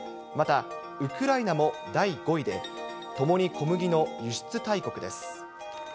また、ウクライナも第５位で、ともに小麦の輸出大国です。